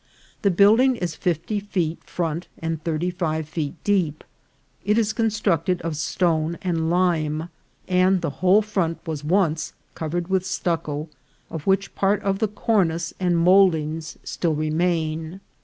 The building is fifty feet front and thirty five feet deep ; it is constructed of stone and lime, and the whole front was once covered with stucco, of which part of the cornice and mouldings still remain.